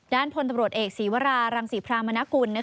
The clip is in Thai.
ด้านพลตำรวจเอกศีวรารังศรีพรามนกุล